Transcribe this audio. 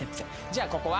じゃあここは？